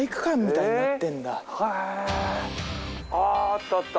ああったあった。